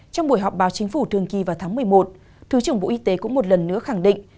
trong buổi họp báo chính phủ thường kỳ vào tháng một mươi một thứ trưởng bộ y tế cũng một lần nữa khẳng định